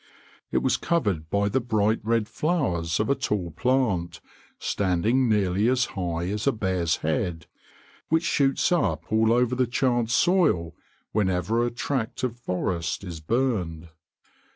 It was covered by the bright red flowers of a tall plant, standing nearly as high as a bear's head, which shoots up all over the charred soil whenever a tract of forest is burned.